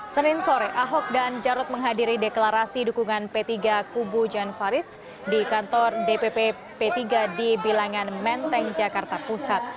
senin sore ahok dan jarod menghadiri deklarasi dukungan p tiga kubu jan farid di kantor dpp p tiga di bilangan menteng jakarta pusat